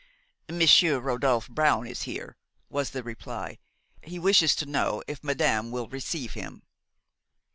"Monsieur Rodolphe Brown is here," was the reply; "he wishes to know if madame will receive him."